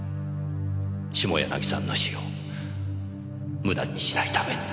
下柳さんの死を無駄にしないためにも。